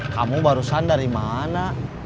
kamu barusan dari mana